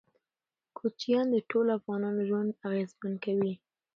کوچیان د ټولو افغانانو ژوند اغېزمن کوي.